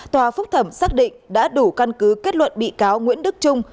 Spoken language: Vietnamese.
tòa phúc thẩm xác định đã đủ căn cứ kết luận bị cáo nguyễn đức trung